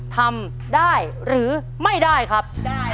ทำได้หรือไม่ได้ครับ